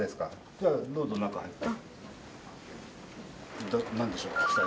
じゃあどうぞ中入って。